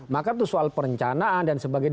maka itu soal perencanaan dan sebagainya